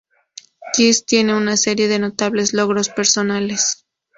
Giggs tiene una serie de notables logros personales.